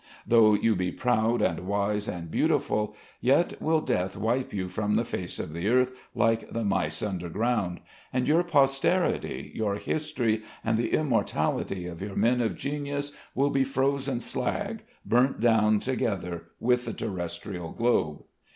Though you be proud and wise and beautiful, yet will death wipe you from the face of the earth like the mice underground; and your posterity, your history, and the immortality of your men of genius will be as frozen slag, burnt down together with the terrestrial globe.